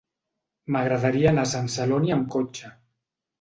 M'agradaria anar a Sant Celoni amb cotxe.